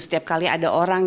setiap kali ada orang